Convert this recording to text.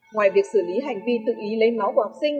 ngoài việc xử lý hành vi tự ý lấy máu của học sinh